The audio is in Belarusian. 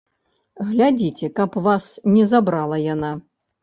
Глядзіце, каб вас не забрала яна!